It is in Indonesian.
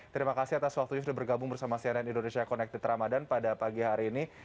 terima kasih atas waktunya sudah bergabung bersama cnn indonesia connected ramadhan pada pagi hari ini